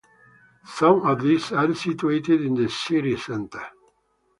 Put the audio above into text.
Some of these are situated in the city center.